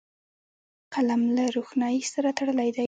قلم له روښنايي سره تړلی دی